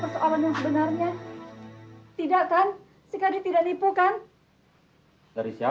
saya merasakan apa apa dari dia